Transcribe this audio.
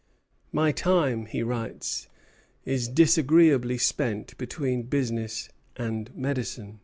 "My time," he writes, "is disagreeably spent between business and medicine."